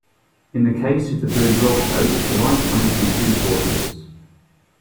In the case of the Blue Grotto, the light comes from two sources.